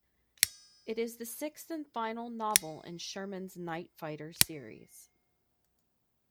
It is the sixth and final novel in Sherman's Night Fighter Series.